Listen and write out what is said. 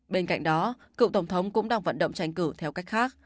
bên cạnh đó cựu tổng thống cũng đang vận động tranh cử theo cách khác